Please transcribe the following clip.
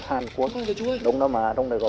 hàn quốc đông nam á đông đài gò